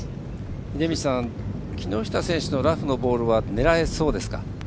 秀道さん木下選手のラフのボールは狙えそうですか。